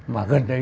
mà gần đây